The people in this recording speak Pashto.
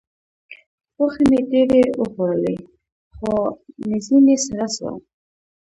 غوښې مې ډېرې وخوړلې؛ خوا مې ځينې سړه سوه.